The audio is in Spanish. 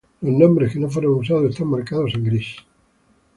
Los nombres que no fueron usados están marcados en gris.